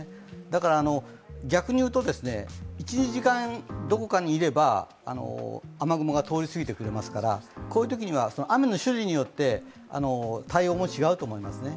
だから逆に言うと、１２時間どこかにいれば、雨雲が通り過ぎてくれますからこういうときには雨の種類によって対応を違うと思いますね。